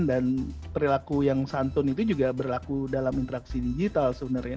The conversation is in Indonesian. dan perilaku yang santun itu juga berlaku dalam interaksi digital sebenarnya